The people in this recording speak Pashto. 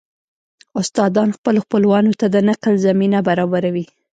استادان خپلو خپلوانو ته د نقل زمينه برابروي